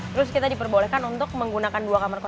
terus kita diperbolehkan untuk menggunakan dua kamar kos